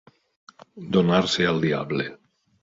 Donar-se al diable.